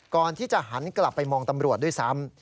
ก่อนที่จะหันกลับไปมองตำรวจด้วยซ้ำ